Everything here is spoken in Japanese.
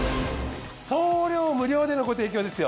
送料無料でのご提供ですよ。